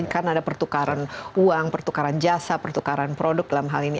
karena ada pertukaran uang pertukaran jasa pertukaran produk dalam hal ini